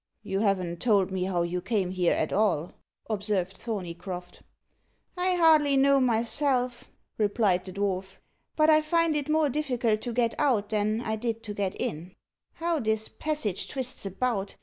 "You haven't told me how you came here at all," observed Thorneycroft. "I hardly know myself," replied the dwarf; "but I find it more difficult to get out than I did to get in. How this passage twists about!